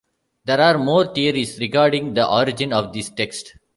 There are more theories regarding the origin of these texts.